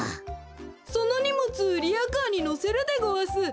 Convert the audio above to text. そのにもつリアカーにのせるでごわす。